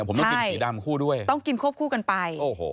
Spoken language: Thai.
ผมต้องกินสีดำคู่ด้วยต้องกินควบคู่กันไปโอ้โห